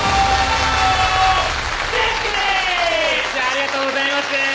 ありがとうございます。